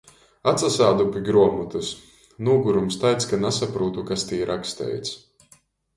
Atsasādu pi gruomotys. Nūgurums taids, ka nasaprūtu, kas tī raksteits.